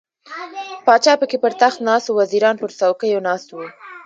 پاچا پکې پر تخت ناست و، وزیران پر څوکیو ناست وو.